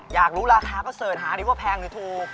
อยากรู้ราคาก็เซิร์ทหาดิวว่าแพงหรือถูก